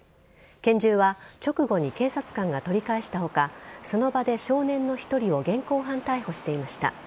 拳銃は直後に警察官が取り返した他その場で少年の１人を現行犯逮捕していました。